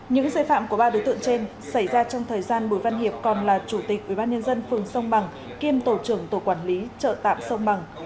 những xe phạm của ba đối tượng trên xảy ra trong thời gian bùi văn hiệp còn là chủ tịch ubnd phường sông bằng kiêm tổ trưởng tổ quản lý chợ tạm sông bằng